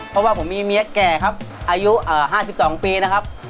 ผมมีเมียแก่ครับอายุ๕๒ปีนะครับ